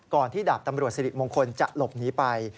ที่ดาบตำรวจสิริมงคลจะหลบหนีไป